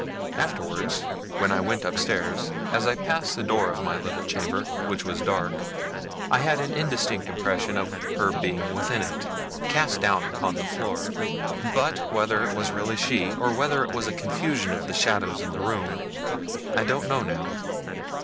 Afterwards, when I went upstairs, as I passed the door of my little chamber, which was dark, I had an indistinct impression of her being within it, cast down upon the floor. But, whether it was really she, or whether it was a confusion of the shadows in the room, I don't know now.